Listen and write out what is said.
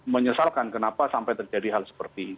menyesalkan kenapa sampai terjadi hal seperti ini